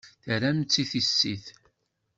Terram-tt i tissit.